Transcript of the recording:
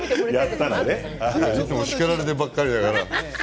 叱られてばかりだから。